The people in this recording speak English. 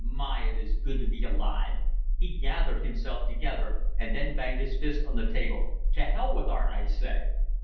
"My, it is good to be alive." He gathered himself together and then banged his fist on the table. "To hell with art, I say."